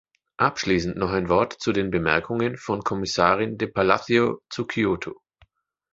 Abschließend noch ein Wort zu den Bemerkungen von Kommissarin de Palacio zu Kyoto.